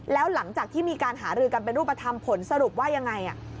แล้วหลังจากที่มีการหารือกันเป็นรูปธรรมผลสรุปว่ายังไง